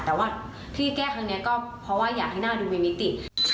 แต่ว่าที่แก้ครั้งนี้ก็เพราะว่าอยากให้หน้าดูมีมิติ